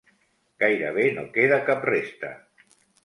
Gairebé no queda cap resta.